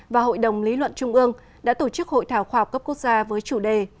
và hội đồng lý luận trung ương đã tổ chức hội thảo khoa học cấp quốc gia với chủ đề